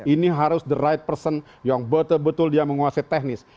ini harus the right person yang betul betul dia menguasai teknis